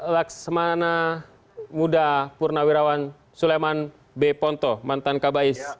laksamana muda purnawirawan suleman b ponto mantan kbis